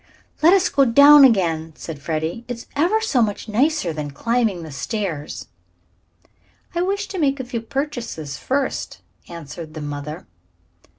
"Let us go down again," said Freddie. "It's ever so much nicer than climbing the stairs." "I wish to make a few purchases first," answered the mother.